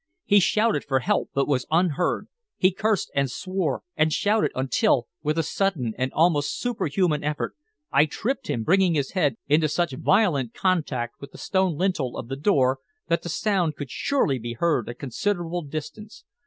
He shouted for help, but was unheard. He cursed and swore and shouted until, with a sudden and almost superhuman effort, I tripped him, bringing his head into such violent contact with the stone lintel of the door that the sound could surely be heard a considerable distance.